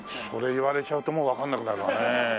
それ言われちゃうともうわかんなくなるわね。